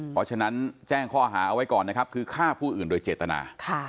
เพราะฉะนั้นแจ้งข้อหาเอาไว้ก่อนนะครับคือฆ่าผู้อื่นโดยเจตนา